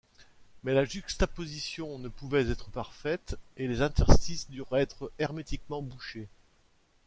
Mais la juxtaposition ne pouvait être parfaite, et les interstices durent être hermétiquement bouchés.